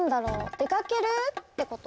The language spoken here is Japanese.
出かけるってこと？